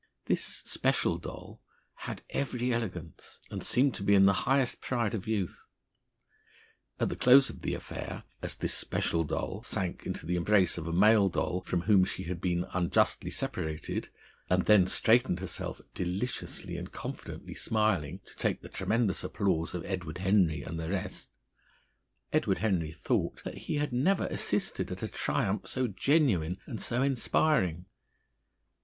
This special doll had every elegance, and seemed to be in the highest pride of youth. At the close of the affair, as this special doll sank into the embrace of a male doll from whom she had been unjustly separated, and then straightened herself, deliciously and confidently smiling, to take the tremendous applause of Edward Henry and the rest, Edward Henry thought that he had never assisted at a triumph so genuine and so inspiring.